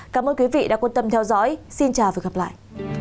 cảm ơn quý vị đã quan tâm theo dõi xin chào và hẹn gặp lại